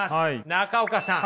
中岡さん。